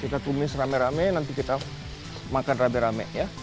kita tumis rame rame nanti kita makan rame rame ya